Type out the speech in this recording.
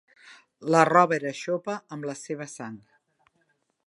La roba era xopa amb la seva sang.